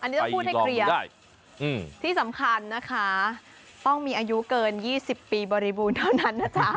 อันนี้ต้องพูดให้เคลียร์ที่สำคัญนะคะต้องมีอายุเกิน๒๐ปีบริบูรณ์เท่านั้นนะจ๊ะ